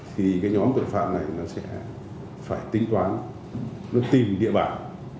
thì cái nhóm tội phạm này nó sẽ phải tính toán nó tìm địa bàn